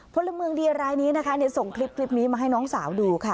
พลเมืองดีรายนี้นะคะส่งคลิปนี้มาให้น้องสาวดูค่ะ